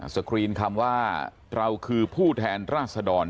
สกรีนคำว่าเราคือผู้แทนราษดร